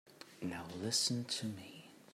Now listen to me.